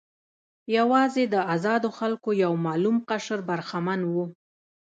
یوازې د آزادو خلکو یو معلوم قشر برخمن و.